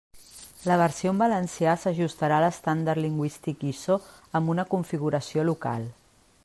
La versió en valencià s'ajustarà a l'estàndard lingüístic ISO amb una configuració local.